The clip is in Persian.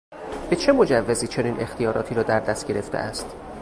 به چه مجوزی چنین اختیاراتی را در دست گرفته است؟